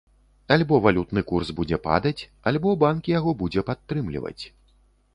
Альбо валютны курс будзе падаць, альбо банк яго будзе падтрымліваць.